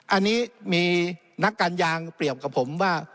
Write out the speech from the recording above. อันนี้มีนักการยางเปรียบกับผมว่า